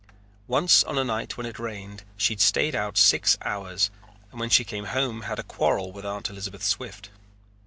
Once on a night when it rained she had stayed out six hours and when she came home had a quarrel with Aunt Elizabeth Swift.